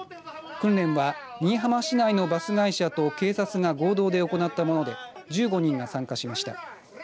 訓練は新居浜市内のバス会社と警察が合同で行ったもので１５人が参加しました。